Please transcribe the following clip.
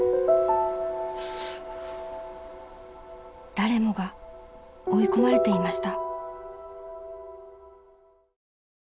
［誰もが追い込まれていました］